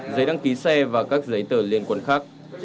giấy đăng ký xe và các giấy tờ liên quan khác